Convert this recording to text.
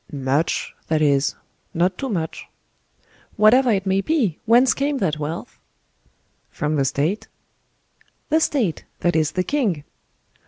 "Hum! much—that is, not too much." "Whatever it may be, whence came that wealth?" "From the state." "The state; that is the king."